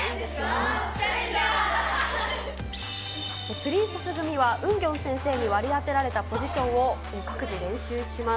プリンセス組は、ウンギョン先生に割り当てられたポジションを各自練習します。